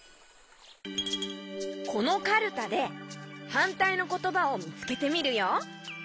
このカルタではんたいのことばをみつけてみるよ。